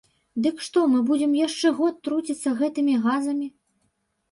Дык што мы будзем яшчэ год труціцца гэтымі газамі?